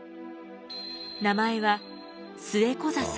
名前はスエコザサ。